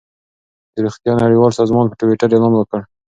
د روغتیا نړیوال سازمان په ټویټر اعلان وکړ.